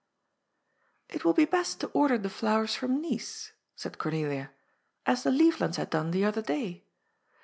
" It will be best to order the fiowers from Nice," said Cornelia, " as the Leeflands had done the other day.